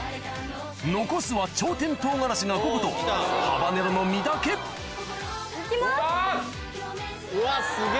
残すは朝天唐辛子が５個とハバネロの実だけうわすげぇ。